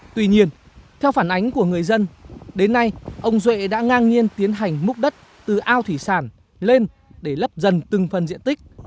tuy nhiên theo phản ánh của người dân đến nay ông duệ đã ngang nhiên tiến hành múc đất từ ao thủy sản lên để lấp dần từng phần diện tích